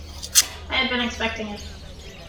I had been expecting it.